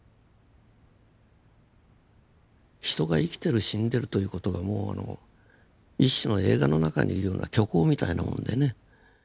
人が生きてる死んでるという事がもう一種の映画の中にいるような虚構みたいなもんでね。